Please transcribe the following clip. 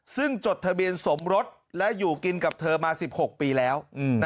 ซึ่งจดทะเบียนสมรสและอยู่กินกับเธอมา๑๖ปีแล้ว